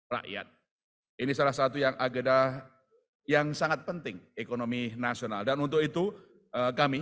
rakyat ini salah satu yang agenda yang sangat penting ekonomi nasional dan untuk itu kami